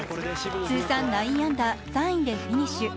通算９アンダー、３位でフィニッシュ。